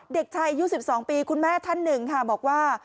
เด็กชายอายุ๑๒ปีคุณแม่ท่านหนึ่งค่ะบอกว่า